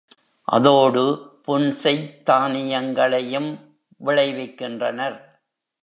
அதோடு புன்செய்த் தானியங்களையும் விளைவிக்கின்றனர்.